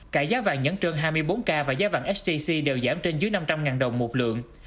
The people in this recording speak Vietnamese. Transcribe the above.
cả giá vàng nhẫn trơn hai mươi bốn k và giá vàng sjc đều giảm trên dưới năm trăm linh đồng một lượng